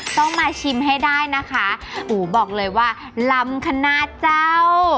ต้องมาชิมให้ได้นะคะหูบอกเลยว่าลำคณะเจ้า